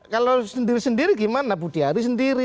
kalau sendiri sendiri gimana budiari sendiri